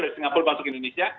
dari singapura masuk ke indonesia